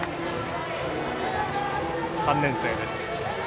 ３年生です。